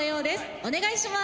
お願いします。